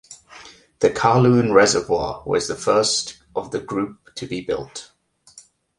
The Kowloon Reservoir was the first of the group to be built.